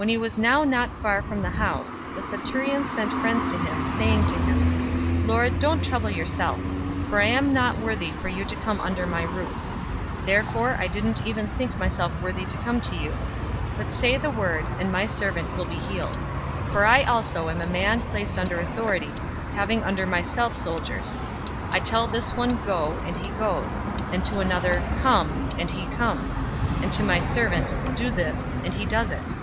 When he was now not far from the house, the centurion sent friends to him, saying to him, "Lord, don't trouble yourself, for I am not worthy for you to come under my roof. 007:007 Therefore I didn't even think myself worthy to come to you; but say the word, and my servant will be healed. 007:008 For I also am a man placed under authority, having under myself soldiers. I tell this one, 'Go!' and he goes; and to another, 'Come!' and he comes; and to my servant, 'Do this,' and he does it."